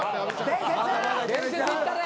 伝説いったれ。